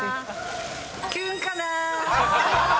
キュンかな。